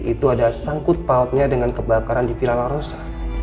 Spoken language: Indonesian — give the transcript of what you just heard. itu ada sangkut pautnya dengan kebakaran di villa la rosa